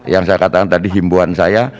yang saya katakan tadi himbuan saya